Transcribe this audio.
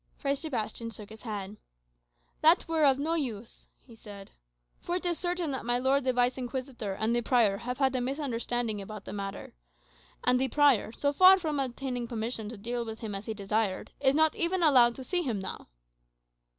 Fray Sebastian shook his head. "That were of no use," he said; "for it is certain that my lord the Vice Inquisitor and the prior have had a misunderstanding about the matter. And the prior, so far from obtaining permission to deal with him as he desired, is not even allowed to see him now."